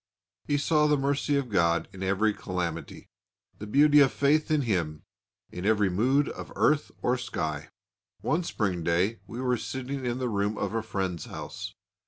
He saw the mercy of God in every calamity, the beauty of faith in Him in every mood of earth or sky. One spring day we were sitting in the room of a friend's house.